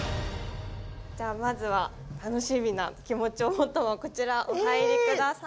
じゃあまずは楽しみな気持ちを持ったままこちらお入り下さい。